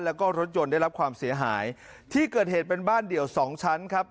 แล้วก็รถยนต์ได้รับความเสียหายที่เกิดเหตุเป็นบ้านเดี่ยวสองชั้นครับ